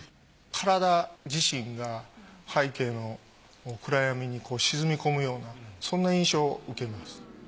体自身が背景の暗闇に沈み込むようなそんな印象を受けます。